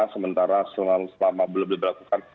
sementara selama belum diberlakukan